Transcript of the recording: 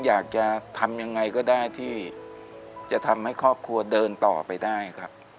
อยากจะทำยังไงก็ได้ที่จะทำให้ครอบครัวเดินต่อไปได้ครับ